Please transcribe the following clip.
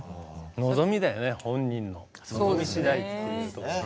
望みだよね、本人の望みしだいっていうところ。